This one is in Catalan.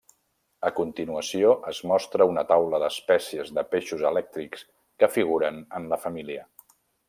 A continuació es mostra una taula d'espècies de peixos elèctrics que figuren en la família.